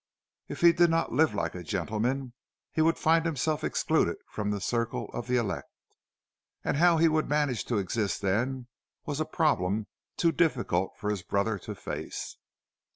If he did not live like a gentleman, he would find himself excluded from the circle of the elect—and how he would manage to exist then was a problem too difficult for his brother to face.